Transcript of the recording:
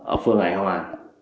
ở phường hải hòa